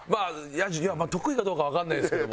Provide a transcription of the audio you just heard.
ヤジ得意かどうかわかんないですけども。